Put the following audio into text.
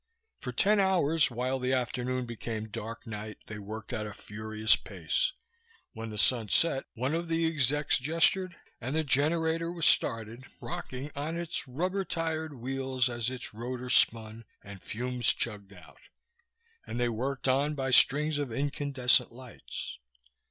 For ten hours, while the afternoon became dark night, they worked at a furious pace. When the sun set one of the execs gestured and the generator was started, rocking on its rubber tired wheels as its rotors spun and fumes chugged out, and they worked on by strings of incandescent lights.